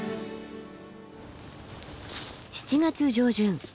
７月上旬。